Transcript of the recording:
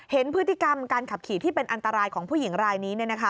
เห็นพฤติกรรมการขับขี่ที่เป็นอันตรายของผู้หญิงรายนี้